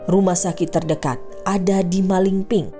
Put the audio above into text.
rumah sakit terdekat ada di malingping